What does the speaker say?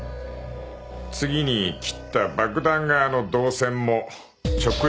次に切った爆弾側の導線も直列に結べ。